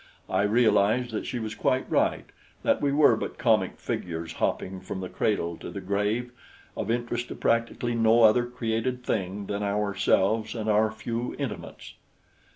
I realized that she was quite right that we were but comic figures hopping from the cradle to the grave, of interest to practically no other created thing than ourselves and our few intimates.